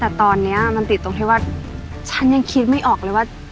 แต่ตอนนี้มันติดตรงที่ว่าฉันยังคิดไม่ออกเลยว่า